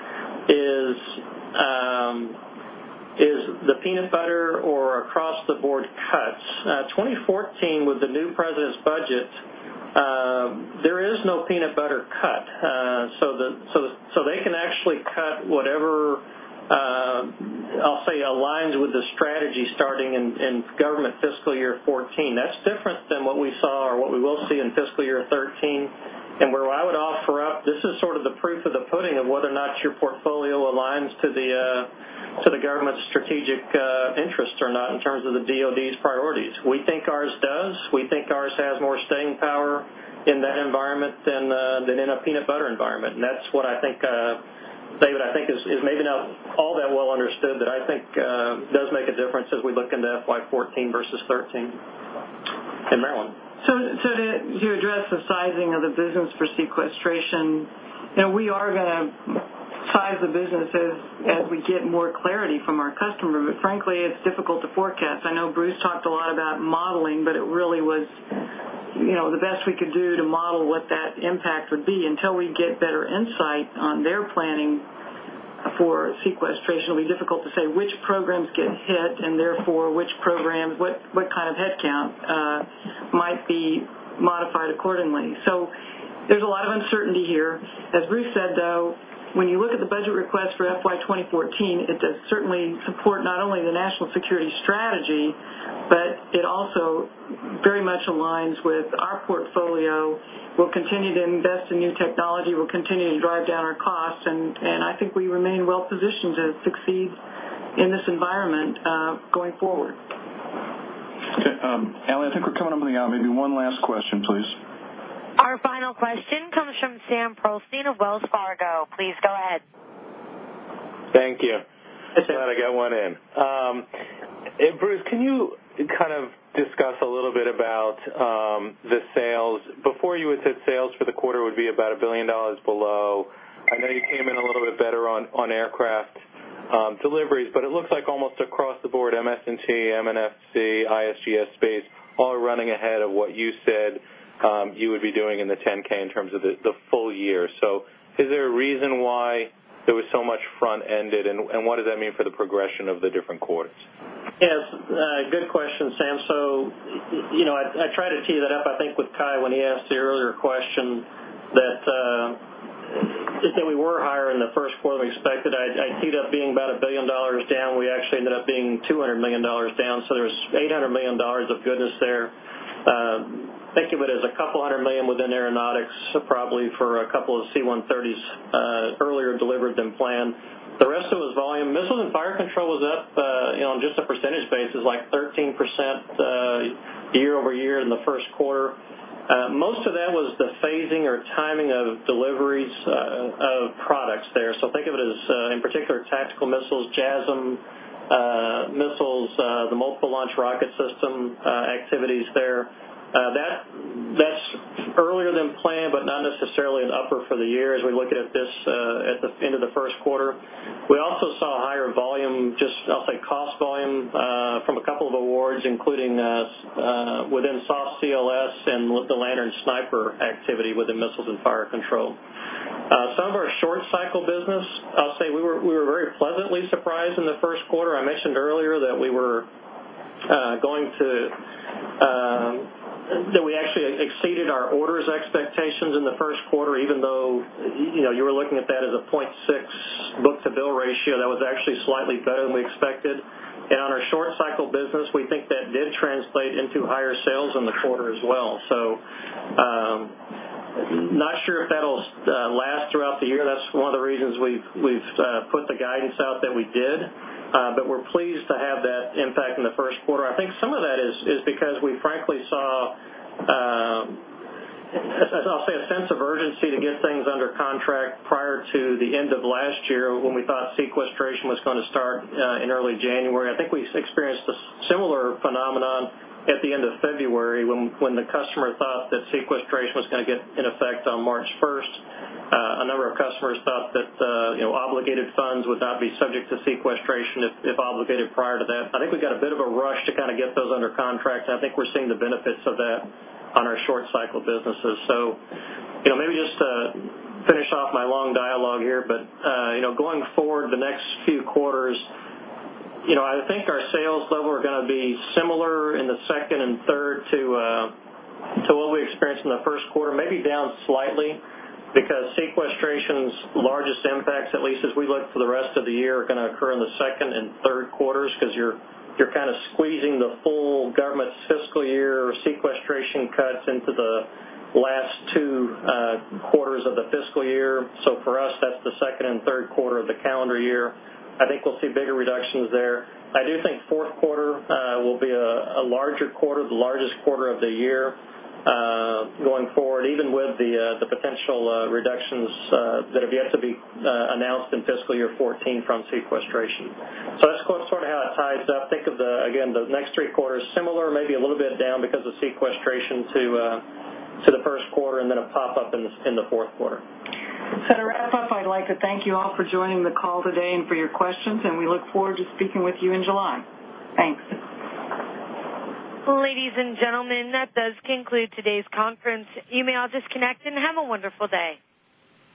D: is the peanut butter or across-the-board cuts. 2014, with the new president's budget, there is no peanut butter cut. They can actually cut whatever, I'll say, aligns with the strategy starting in government FY 2014. That's different than what we saw or what we will see in FY 2013. Where I would offer up, this is sort of the proof of the pudding of whether or not your portfolio aligns to the government's strategic interests or not, in terms of the DoD's priorities. We think ours does. We think ours has more staying power in that environment than in a peanut butter environment. That's what I think, David, is maybe not all that well understood, but I think does make a difference as we look into FY 2014 versus 2013. Marillyn.
C: To address the sizing of the business for sequestration, we are going to size the businesses as we get more clarity from our customer. Frankly, it's difficult to forecast. I know Bruce talked a lot about modeling, it really was the best we could do to model what that impact would be. Until we get better insight on their planning for sequestration, it'll be difficult to say which programs get hit, and therefore, what kind of headcount might be modified accordingly. There's a lot of uncertainty here. As Bruce said, though, when you look at the budget request for FY 2014, it does certainly support not only the national security strategy, but it also very much aligns with our portfolio. We'll continue to invest in new technology, we'll continue to drive down our costs, and I think we remain well positioned to succeed in this environment going forward.
B: Okay. Ally, I think we're coming up on the hour. Maybe one last question, please.
A: Our final question comes from Sam Pearlstein of Wells Fargo. Please go ahead.
P: Thank you. Glad I got one in. Bruce, can you kind of discuss a little bit about the sales. Before, you had said sales for the quarter would be about $1 billion below. I know you came in a little bit better on aircraft deliveries, but it looks like almost across the board, MS&T, MFC, IS&GS, Space all running ahead of what you said you would be doing in the 10-K in terms of the full year. Is there a reason why there was so much front-ended, and what does that mean for the progression of the different quarters?
D: Yes. Good question, Sam. I tried to tee that up, I think with Cai, when he asked the earlier question that, just that we were higher in the first quarter than expected. I teed up being about $1 billion down. We actually ended up being $200 million down. There's $800 million of goodness there. Think of it as $200 million within aeronautics, probably for a couple of C-130s earlier delivered than planned. The rest of it was volume. Missile and Fire Control was up, on just a percentage basis, like 13% year-over-year in the first quarter. Most of that was the phasing or timing of deliveries of products there. Think of it as, in particular, tactical missiles, JASSM missiles, the Multiple Launch Rocket System activities there. That's earlier than planned, not necessarily an upper for the year as we look at this at the end of the first quarter. We also saw higher volume, just I'll say cost volume, from a couple of awards, including within SOF CLS and with the Lantern Sniper activity within Missiles and Fire Control. Some of our short cycle business, I'll say we were very pleasantly surprised in the first quarter. I mentioned earlier Expectations in the first quarter, even though you were looking at that as a 0.6 book-to-bill ratio, that was actually slightly better than we expected. On our short cycle business, we think that did translate into higher sales in the quarter as well. Not sure if that'll last throughout the year. That's one of the reasons we've put the guidance out that we did. We're pleased to have that impact in the first quarter. I think some of that is because we frankly saw, as I'll say, a sense of urgency to get things under contract prior to the end of last year when we thought sequestration was going to start in early January. I think we experienced a similar phenomenon at the end of February when the customer thought that sequestration was going to get in effect on March 1st. A number of customers thought that obligated funds would not be subject to sequestration if obligated prior to that. I think we got a bit of a rush to kind of get those under contract, and I think we're seeing the benefits of that on our short cycle businesses. Maybe just to finish off my long dialogue here, going forward the next few quarters, I think our sales level are going to be similar in the second and third to what we experienced in the first quarter. Maybe down slightly because sequestration's largest impacts, at least as we look for the rest of the year, are going to occur in the second and third quarters because you're kind of squeezing the full government's fiscal year sequestration cuts into the last two quarters of the fiscal year. For us, that's the second and third quarter of the calendar year. I think we'll see bigger reductions there. I do think fourth quarter will be a larger quarter, the largest quarter of the year going forward, even with the potential reductions that have yet to be announced in fiscal year 2014 from sequestration. That's sort of how it ties up. Think of the, again, the next three quarters similar, maybe a little bit down because of sequestration to the first quarter and then a pop up in the fourth quarter.
C: To wrap up, I'd like to thank you all for joining the call today and for your questions, and we look forward to speaking with you in July. Thanks.
A: Ladies and gentlemen, that does conclude today's conference. You may all disconnect and have a wonderful day.